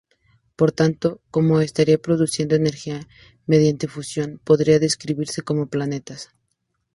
Por tanto, como no estarían produciendo energía mediante fusión, podrían describirse como planetas.